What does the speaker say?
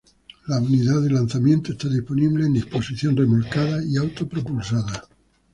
La unidad de lanzamiento está disponible en disposición remolcada y autopropulsada.